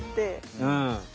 うん。